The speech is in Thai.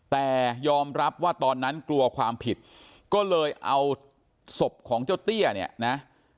แต่ยอมรับว่าตอนนั้นกลัวความผิดก็เลยเอาศพของเจ้าเตี้ยเนี่ยนะ